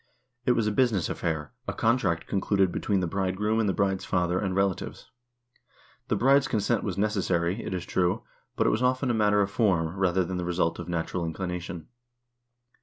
It was a business affair, a con tract concluded between the bridegroom and the bride's father and relatives. The bride's consent was necessary, it is true, but it was often a matter of form, rather than the result of natural inclination.